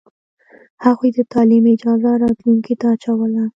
هغوی د تعلیم اجازه راتلونکې ته اچوله.